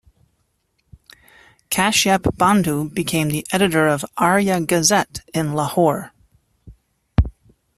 Kashyap Bandhu became the editor of Arya Gazette in Lahore.